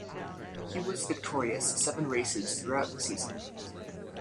He was victorious seven races throughout the season.